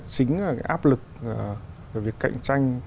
chính là áp lực về việc cạnh tranh